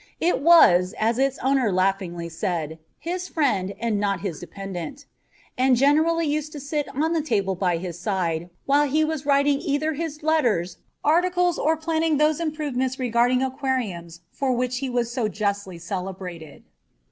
It was, as its owner laughingly said, "his friend, and not his dependent," and generally used to sit on the table by his side while he was writing either his letters, articles, or planning those improvements regarding aquariums, for which he was so justly celebrated.